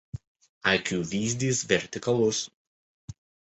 Akių vyzdys vertikalus.